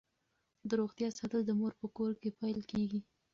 د روغتیا ساتل د مور په کور کې پیل کیږي.